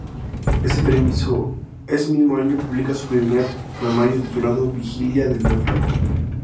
Ese mismo año publica su primer poemario titulado "Vigilia del Náufrago".